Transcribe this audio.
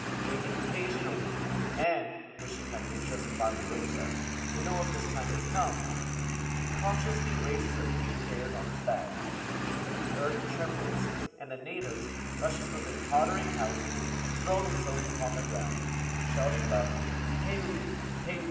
Waking occasionally, and wishing like the German Barbarossa, to know if his time is come, he cautiously raises a few hairs on his back. The earth trembles, and the natives, rushing from their tottering houses throw themselves upon the ground, shouting loudly "Pelu! Pelu!"